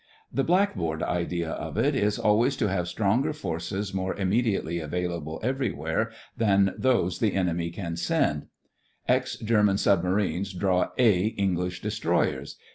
The blackboard idea of it is al ways to have stronger forces more immediately available everywhere than those the enemy can send, x German submarines draw a English destroyers.